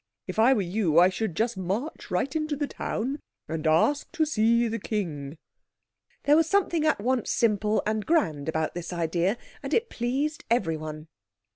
If I were you I should just march right into the town and ask to see the king." There was something at once simple and grand about this idea, and it pleased everyone.